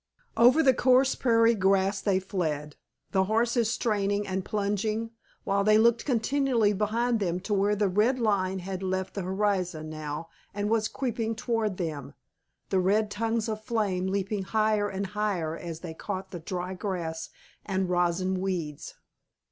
Over the coarse prairie grass they fled, the horses straining and plunging, while they looked continually behind them to where the red line had left the horizon now and was creeping toward them, the red tongues of flame leaping higher and higher as they caught the dry grass and rosin weeds.